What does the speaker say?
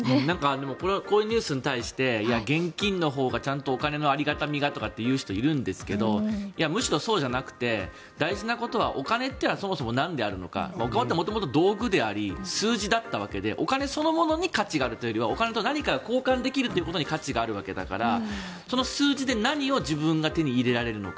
でもこういうニュースに対して現金のほうがちゃんとお金のありがたみがということを言う人がいるんですがむしろそうじゃなくて大事なことはお金っていうのはそもそもなんなのか元々道具であり数字だったわけでお金そのものに価値があるというよりはお金と何かが交換できるということに価値があるわけだからその数字で自分が何を手に入れられるのか。